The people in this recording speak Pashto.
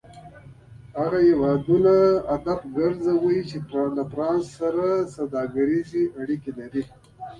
هغه هېوادونه هدف کرځوي چې له فرانسې سره سوداګریزې اړیکې ولري.